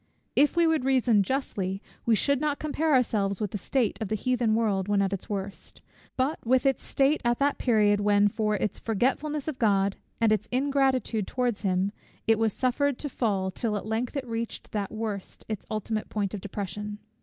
If we would reason justly, we should not compare ourselves with the state of the Heathen world when at its worst; but with its state at that period, when, for its forgetfulness of God, and its ingratitude towards him, it was suffered to fall, till at length it reached that worst, its ultimate point of depression.